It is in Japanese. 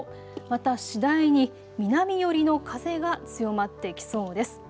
また次第に南寄りの風が強まってきそうです。